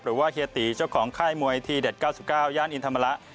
หรือว่าเฮียติเจ้าของค่ายมวยที่๙๙ย้านอินทรมาระ